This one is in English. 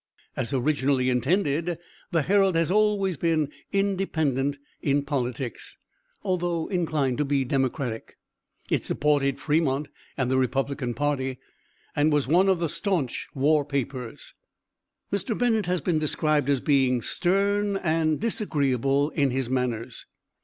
As originally intended, the Herald has always been independent in politics, although inclined to be Democratic. It supported Fremont and the Republican party, and was one of the staunch war papers. Mr. Bennett has been described as being stern and disagreeable in his manners.